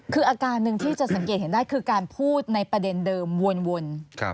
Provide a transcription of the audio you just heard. คืออาการหนึ่งที่จะสังเกตเห็นได้คือการพูดในประเด็นเดิมวน